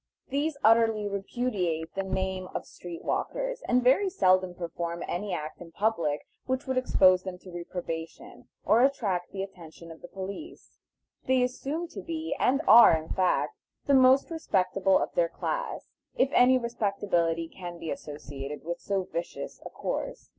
These utterly repudiate the name of "street walkers," and very seldom perform any act in public which would expose them to reprobation, or attract the attention of the police. They assume to be, and are, in fact, the most respectable of their class, if any respectability can be associated with so vicious a course.